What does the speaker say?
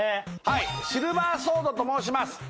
シルバーソードと申します